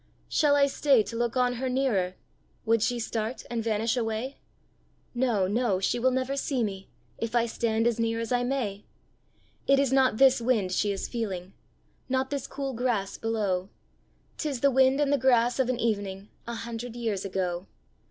Shall I stay to look on her nearer? Would she start and vanish away? No, no; she will never see me, If I stand as near as I may! It is not this wind she is feeling, Not this cool grass below; 'Tis the wind and the grass of an evening A hundred years ago.